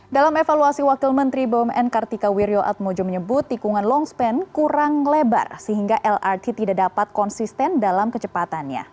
dalam evaluasi wakil menteri bumn kartika wirjoatmojo menyebut tikungan longspan kurang lebar sehingga lrt tidak dapat konsisten dalam kecepatannya